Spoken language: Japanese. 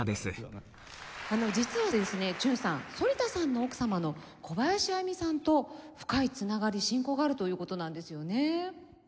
実はですねチュンさん反田さんの奥様の小林愛実さんと深い繋がり親交があるという事なんですよね。